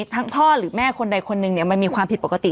ทั้งพ่อหรือแม่คนใดคนหนึ่งมันมีความผิดปกติ